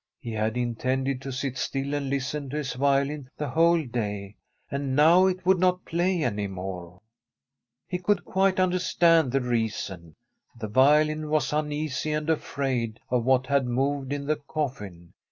He had intended to sit still and listen to his violin the whole day, and now it would not play any more. He could quite understand the reason. The violin was uneasy and afraid of what had moved in the coffin.